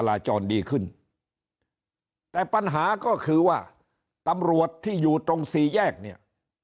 ราจรดีขึ้นแต่ปัญหาก็คือว่าตำรวจที่อยู่ตรงสี่แยกเนี่ย